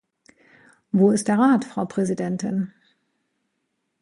Wo ist der Rat, Frau Präsidentin?